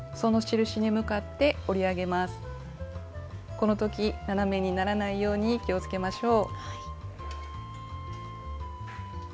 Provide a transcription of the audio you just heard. この時斜めにならないように気をつけましょう。